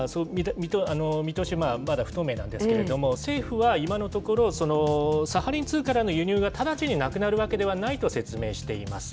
見通し、まだ不透明なんですけれども、政府は今のところ、サハリン２からの輸入が直ちになくなるわけではないと説明しています。